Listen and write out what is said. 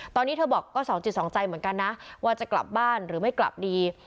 ตอนนี้เธอบอกก็สองจิตสองใจเหมือนกันนะว่าจะกลับบ้านหรือไม่กลับดี